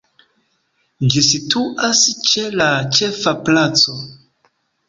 Ĝi situas ĉe la Ĉefa Placo.